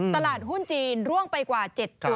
ตลาดหุ้นจีนร่วงไปกว่า๗จุด